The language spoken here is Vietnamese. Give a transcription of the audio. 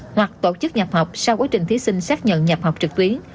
hoặc tổ chức nhập học sau quá trình thí sinh xác nhận nhập học trực tuyến